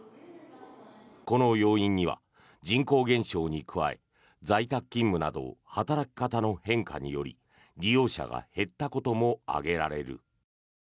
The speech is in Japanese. この要因には人口減少に加え在宅勤務など働き方の変化により利用者が減ったことも挙げられる。